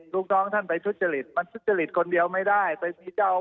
ลูกน้องท่านไปทุจริตมันทุจริตคนเดียวไม่ได้ไปมีเจ้า